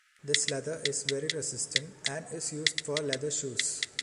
The leather is very resistant and is used for leather shoes.